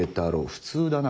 普通だな。